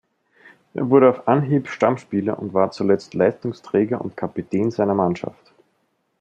Er wurde auf Anhieb Stammspieler und war zuletzt Leistungsträger und Kapitän seiner Mannschaft.